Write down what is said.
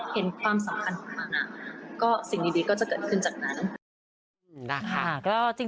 เห็นความสำคัญของมันสิ่งดีก็จะเกิดขึ้นจากนั้น